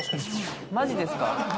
マジですか？